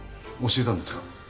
教えたんですか？